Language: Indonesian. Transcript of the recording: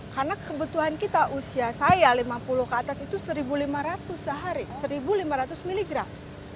karena kebetulan kita usia saya lima puluh ke atas itu seribu lima ratus sehari seribu lima ratus miligram